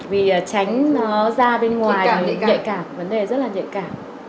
vì tránh nó ra bên ngoài những nhạy cảm vấn đề rất là nhạy cảm